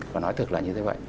và nói thật là như thế vậy